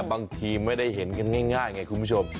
บางทีไม่ได้เห็นกันง่ายไงคุณผู้ชม